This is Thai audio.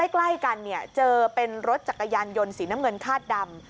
ใกล้กันเจอเป็นรถจักรยานยนต์สีน้ำเงินคาดดำ